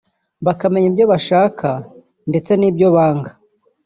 bakamenya ibyo bashaka ndetse n’ibyo banga